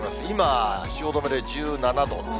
今、汐留で１７度。